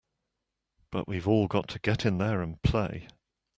But we've all got to get in there and play!